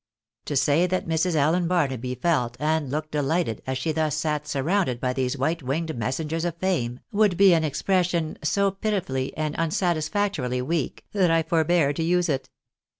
To say that Mrs. Allen Barnaby felt and looked delighted as she thus sat surrounded by these white winged messengers of fame, would be an expression so pitifully and unsatisfactorily weak, that I forbear to use it.